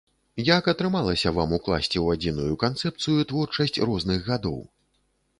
Як атрымалася вам укласці ў адзіную канцэпцыю творчасць розных гадоў?